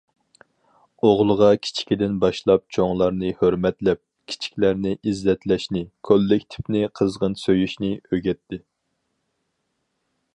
ئوغلىغا كىچىكىدىن باشلاپ چوڭلارنى ھۆرمەتلەپ، كىچىكلەرنى ئىززەتلەشنى، كوللېكتىپنى قىزغىن سۆيۈشنى ئۆگەتتى.